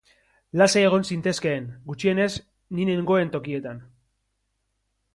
Lasai egon zintezkeen, gutxienez ni nengoen tokietan.